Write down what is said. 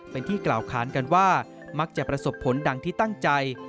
เป็นที่กล่าวค้านกันว่ามักจะประสบผลดังที่ตั้งใจ